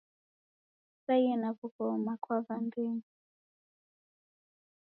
Kukaie na w'ughoma kwa w'ambenyu